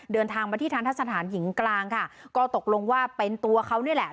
เดินทางมาที่ทันทะสถานหญิงกลางค่ะก็ตกลงว่าเป็นตัวเขานี่แหละ